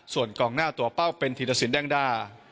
ส่วนกองหน้าตัวเป้าเป็นธีรสินแดงดา